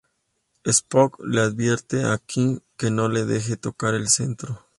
Spock le advierte a Kirk que no le deje tocar el cetro.